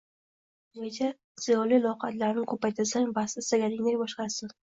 Ungacha ziyoli loqaydlarni ko‘paytirsang bas, istaganingdek boshqarasan.